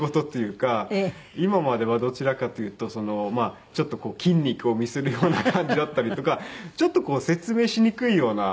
今まではどちらかというとちょっと筋肉を見せるような感じだったりとかちょっとこう説明しにくいような。